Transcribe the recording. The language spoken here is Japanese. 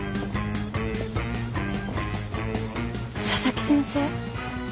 佐々木先生？